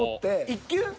１球？